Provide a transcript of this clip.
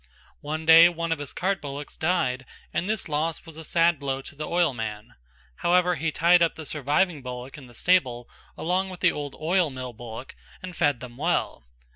One day one of his cart bullocks died and this loss was a sad blow to the oilman. However he tied up the surviving bullock in the stable along with the old oil mill bullock and fed them well.